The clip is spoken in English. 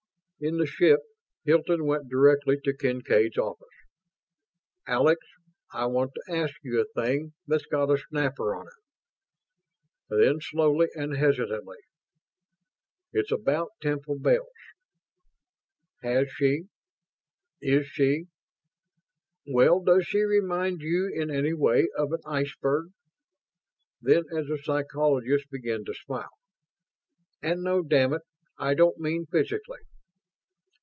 In the ship, Hilton went directly to Kincaid's office. "Alex, I want to ask you a thing that's got a snapper on it." Then, slowly and hesitantly: "It's about Temple Bells. Has she ... is she ... well, does she remind you in any way of an iceberg?" Then, as the psychologist began to smile; "And no, damn it, I don't mean physically!"